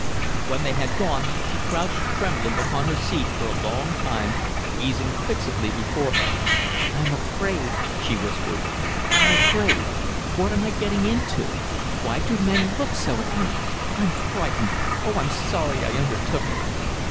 When they had gone, she crouched trembling upon her seat for a long time, gazing fixedly before her. "I'm afraid!" she whispered; "I'm afraid. What am I getting into? Why do men look so at me? I'm frightened. Oh, I'm sorry I undertook it."